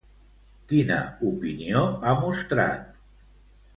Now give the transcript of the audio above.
Quina opinió ha mostrat?